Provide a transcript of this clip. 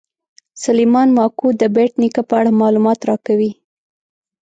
سلیمان ماکو د بېټ نیکه په اړه معلومات راکوي.